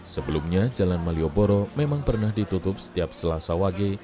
sebelumnya jalan malioboro memang pernah ditutup setiap selasa wage